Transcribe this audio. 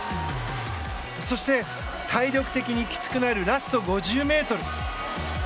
そして、体力的にきつくなるラスト５０ｍ。